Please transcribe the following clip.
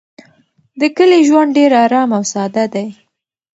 د کلي ژوند ډېر ارام او ساده دی.